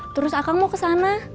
terus akang mau ke sana